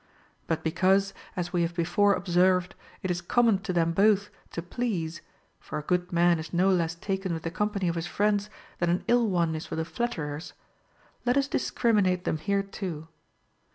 11. But because, as we have before observed, it is com mon to them both to please (for a good man is no less taken with the company of his friends than an ill one is with a flatterer's), let us discriminate them here too.